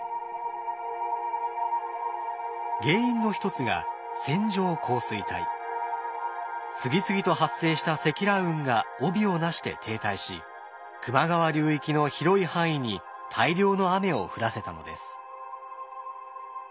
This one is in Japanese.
原因の一つが次々と発生した積乱雲が帯をなして停滞し球磨川流域の広い範囲に大量の雨を降らせたのです。